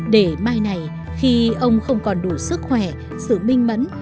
để mai này khi ông không còn đủ sức khỏe sự minh mẫn